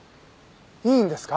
いいんですか？